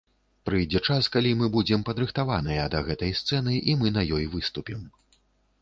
Прыйдзе час, калі мы будзем падрыхтаваныя да гэтай сцэны, і мы на ёй выступім.